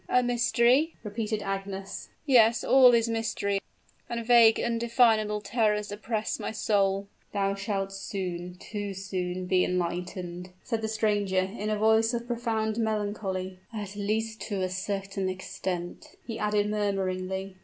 "A mystery?" repeated Agnes. "Yes all is mystery: and vague and undefinable terrors oppress my soul!" "Thou shalt soon too soon be enlightened!" said the stranger, in a voice of profound melancholy; "at least, to a certain extent," he added, murmuringly.